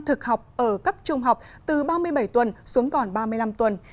thực học ở cấp trung học từ ba mươi bảy tuần xuống còn ba mươi năm tuần